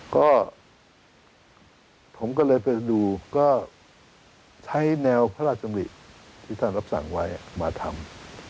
ก็ผมก็เลยไปดูก็ใช้แนวพระราชดำริที่ท่านรับสั่งไว้มาทำ